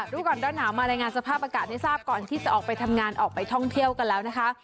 รู้ก่อนร้อนหนาวมารายงานสภาพอากาศให้ทราบก่อนที่จะออกไปทำงานออกไปท่องเที่ยวกันแล้วนะคะ